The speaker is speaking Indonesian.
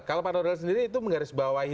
kalau pak noel sendiri itu menggarisbawahi